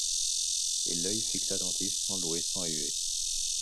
Et, l’oeil fixe, attentif, sans louer, sans huer